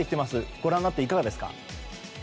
ご覧になっていかがですか？